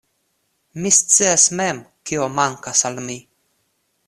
Mi scias mem, kio mankas al mi.